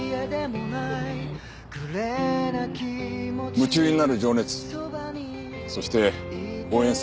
夢中になる情熱そして応援する心